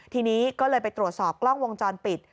ทีนี้ก็เลยไปตรวจสอบกล้องวงจรปิด